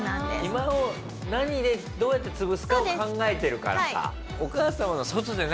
暇を何でどうやって潰すかを考えてるからか。